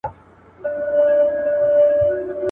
د نړۍ له رامنځته کېدو وروسته بې شمېره تیږې له ځمکې تېرې شوي دي.